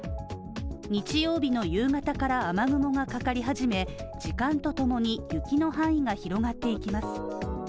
日曜日の夕方から雨雲がかかり始め時間とともに、雪の範囲が広がっていきます。